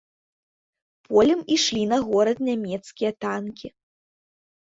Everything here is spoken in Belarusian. Полем ішлі на горад нямецкія танкі.